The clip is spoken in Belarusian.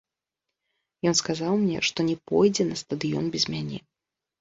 Ён сказаў мне, што не пойдзе на стадыён без мяне.